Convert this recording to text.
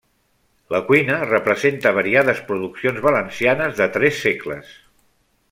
La cuina representa variades produccions valencianes de tres segles.